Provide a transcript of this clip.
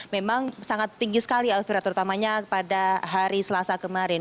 memang sangat tinggi sekali elvira terutamanya pada hari selasa kemarin